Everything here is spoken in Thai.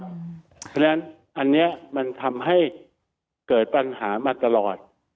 เพราะฉะนั้นอันนี้มันทำให้เกิดปัญหามาตลอด